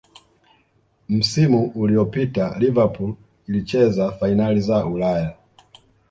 msimu uliyopita liverpool ilicheza fainali za ulaya